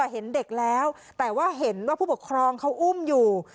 เห็นเด็กแล้วแต่ว่าเห็นว่าผู้ปกครองเขาอุ้มอยู่